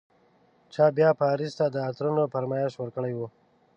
چا بیا پاریس ته د عطرونو فرمایش ورکړی و.